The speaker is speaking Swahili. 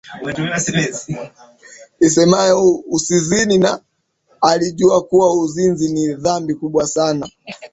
isemayo Usizini na alijua kuwa uzinzi ni dhambi kubwa sana